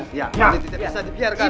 tidak bisa dibiarkan